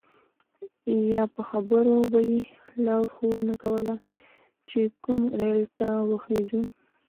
یا په خبرو به یې لارښوونه کوله چې کوم ریل ته وخیژو.